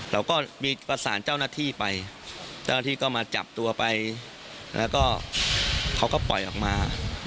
เราก็มีประสานเจ้าหน้าที่ไปเจ้าหน้าที่ก็มาจับตัวไปแล้วก็เขาก็ปล่อยออกมา